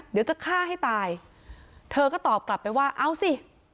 เดี๋ยวจะฆ่าให้ตายเธอก็ตอบกลับไปว่าเอาสิ